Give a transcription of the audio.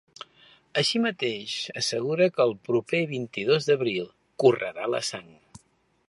Així mateix, assegura que el proper vint-i-dos d’abril “correrà la sang”.